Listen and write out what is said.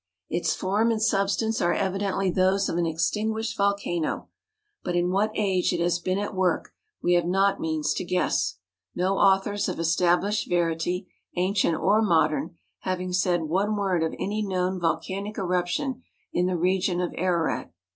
Its form and substance are evidently those of an extinguished volcano ; but in what age it has been at work, we have not means to guess; no authors of established verity, ancient or modern, having said one word of any known volcanic eruption in the region of Ararat.